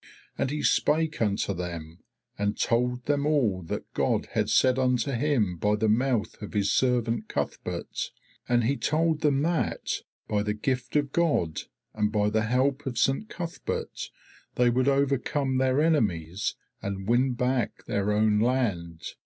And he spake unto them and told them all that God had said unto him by the mouth of his servant Cuthberht, and he told them that, by the gift of God and by the help of Saint Cuthberht, they would overcome their enemies and win back their own land.